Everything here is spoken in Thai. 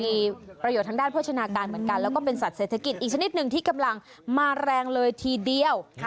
มีประโยชน์ทางด้านโภชนาการเหมือนกันแล้วก็เป็นสัตว์เศรษฐกิจอีกชนิดหนึ่งที่กำลังมาแรงเลยทีเดียว